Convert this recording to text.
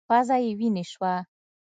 پزه مې وينې سوه.